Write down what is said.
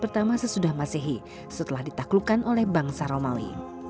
pertama sesudah masehi setelah ditaklukkan oleh bangsa romawi